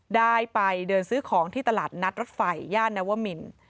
ได้ไปเดินซื้อของที่ตลาดนัดรถไฟย่านนวมิน